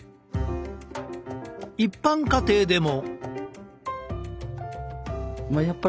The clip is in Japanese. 一般家庭でも。